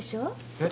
えっ？